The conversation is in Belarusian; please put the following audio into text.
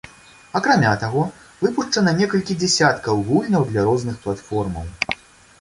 Акрамя таго, выпушчана некалькі дзясяткаў гульняў для розных платформаў.